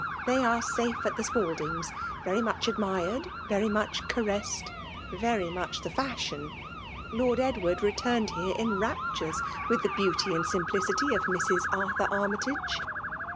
they are safe at the Spaldings' — very much admired^ very much ca ressed^ very much the fashion. Lord Edward returned here in raptures with the beauty and simplicity of Mrs. Arthur Armytage.'